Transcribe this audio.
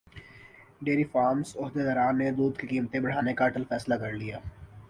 dairy farms عہدیداران نے دودھ کی قیمتیں بڑھانے کا اٹل فیصلہ کرلیا